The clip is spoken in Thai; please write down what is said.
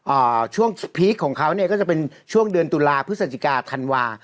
อ่าช่วงพีคของเขาเนี่ยก็จะเป็นช่วงเดือนตุลาพฤศจิกาธันวา